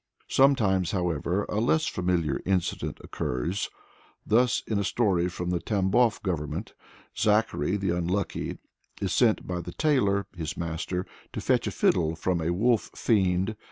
Sometimes, however, a less familiar incident occurs. Thus in a story from the Tambof Government, Zachary the Unlucky is sent by the tailor, his master, to fetch a fiddle from a wolf fiend.